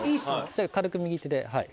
じゃあ軽く右手ではい。